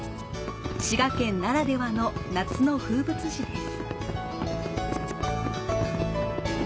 滋賀県ならではの夏の風物詩です。